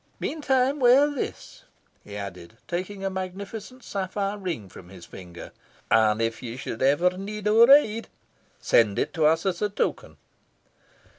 Meantime, wear this," he added, taking a magnificent sapphire ring from his finger, "and, if you should ever need our aid, send it to us as a token."